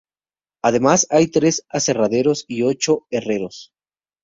Además, hay tres aserraderos y ocho herreros.